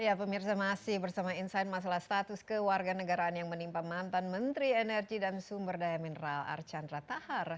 ya pemirsa masih bersama insight masalah status kewarganegaraan yang menimpa mantan menteri energi dan sumber daya mineral archandra tahar